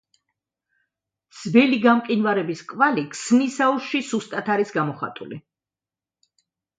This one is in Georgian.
ძველი გამყინვარების კვალი ქსნის აუზში სუსტად არის გამოხატული.